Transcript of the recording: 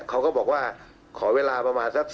เขาก็บอกว่าขอเวลาประมาณสัก